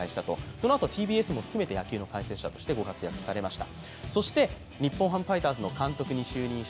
そのあとＴＢＳも含めて、野球の解説者として活躍されました。